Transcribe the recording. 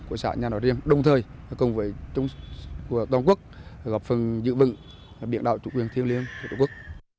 của xã nhà nội riêng đồng thời cùng với chung của toàn quốc gặp phần dự vựng biển đạo chủ quyền thiên liêng của tổ quốc